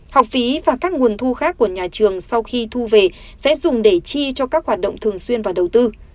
học phí và các nguồn thu khác của nhà trường sau khi thu về sẽ dùng để chi cho các hoạt động thường xuyên và đầu tư